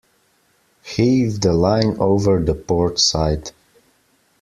Heave the line over the port side.